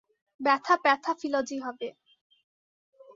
ব্যথা প্যাথাফিলজি হবে।